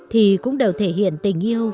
thì cũng đều thể hiện tình yêu